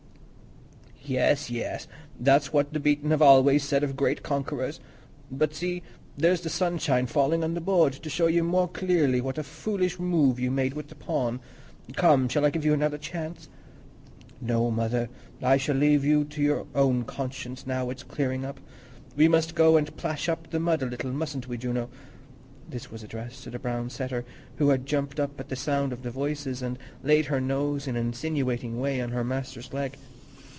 "Yes, yes, that's what the beaten have always said of great conquerors. But see, there's the sunshine falling on the board, to show you more clearly what a foolish move you made with that pawn. Come, shall I give you another chance?" "No, Mother, I shall leave you to your own conscience, now it's clearing up. We must go and plash up the mud a little, mus'n't we, Juno?" This was addressed to the brown setter, who had jumped up at the sound of the voices and laid her nose in an insinuating way on her master's leg.